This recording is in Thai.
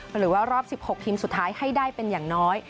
หรือว่ารอบ๑๖ทีมสุดท้ายให้ได้เป็นอย่างน้อย